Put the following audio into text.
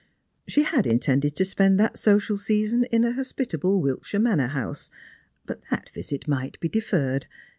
She had intended to spend that social season in a hospitable Wiltshire manor house; but that visit might be deferred.